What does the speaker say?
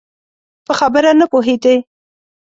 په خبره نه پوهېدی؟